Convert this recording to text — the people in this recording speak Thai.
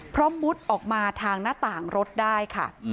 เพราะมุดออกมาทางหน้าต่างรถได้ค่ะ